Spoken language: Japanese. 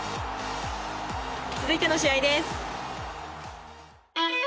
続いての試合です。